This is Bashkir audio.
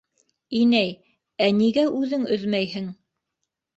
«Инәй, ә нигә үҙең өҙмәйһең?»